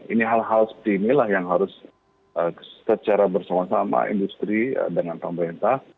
ini hal hal seperti inilah yang harus secara bersama sama industri dengan pemerintah